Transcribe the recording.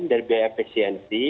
dari biaya pesianti